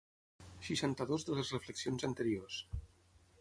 Seixanta-dos de les reflexions anteriors.